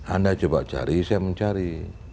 anda coba cari saya mencari